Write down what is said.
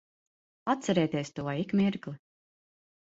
Atcerieties to ik mirkli.